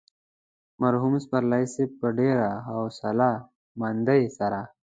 مرحوم پسرلي صاحب په ډېره حوصله مندۍ سره.